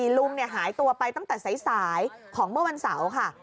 ลุงหายตัวไปตั้งแต่สายของเมื่อวันเสาร์ค่ะ